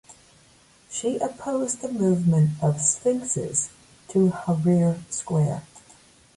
She opposed the movement of sphinxes to Tahrir Square.